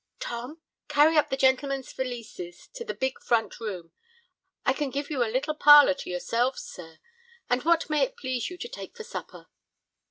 "Tom, carry up the gentlemen's valises to the big front room. I can give you a little parlor to yourselves, sirs. And what may it please you to take for supper?"